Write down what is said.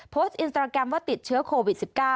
อินสตราแกรมว่าติดเชื้อโควิด๑๙